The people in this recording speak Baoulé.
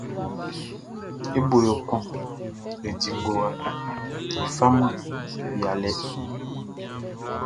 E bo yo kun e di ngowa, e faman ya lɛ.